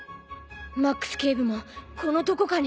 マックス警部もこのどこかに。